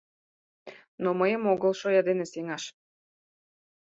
Но мыйым огыл шоя дене сеҥаш!